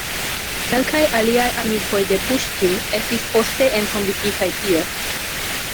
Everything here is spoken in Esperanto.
Kelkaj aliaj amikoj de Puŝkin estis poste entombigitaj tie.